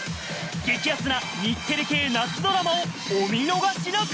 激アツな日テレ系夏ドラマをお見逃しなく！